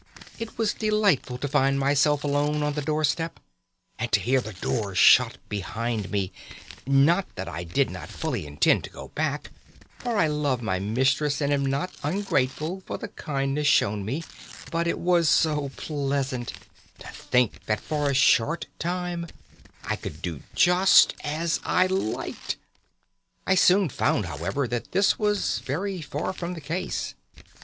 "It was delightful to find myself alone on the door step, and to hear the door shut behind me; not that I did not fully intend to go back, for I love my mistress and am not ungrateful for the kindness shown me, but it was so pleasant to think that for a short time I could do just as I liked. I soon found, however, that this was very far from the case.